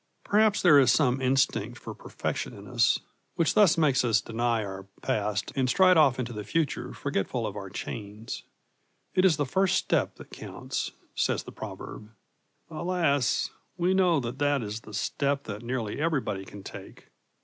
Perhaps there is some instinct for perfection in us which thus makes us deny our past and stride off into the future forgetful of our chains. It is the first step that counts, says the proverb. Alas! we know that that is the step that nearly everybody can take.